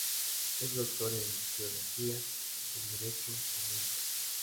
Es doctor en teología y en derecho canónico.